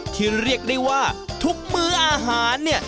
เรียกได้ว่าทุกมื้ออาหารเนี่ย